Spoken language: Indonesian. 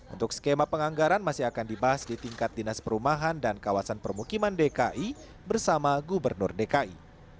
untuk skema penganggaran masih akan dibahas di tingkat dinas perumahan dan kawasan permukiman dki bersama gubernur dki